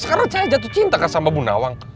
sekarang saya jatuh cinta kan sama bu nawang